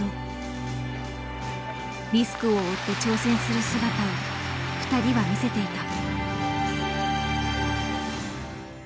リスクを負って挑戦する姿を２人は見せていた。